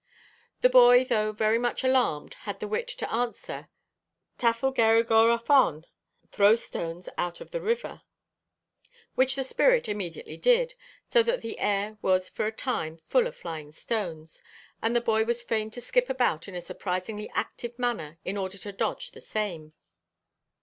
The boy, though very much alarmed, had the wit to answer, 'Tafl gerrig o'r afon,' (throw stones out of the river,) which the spirit immediately did, so that the air was for a time full of flying stones, and the boy was fain to skip about in a surprisingly active manner in order to dodge the same.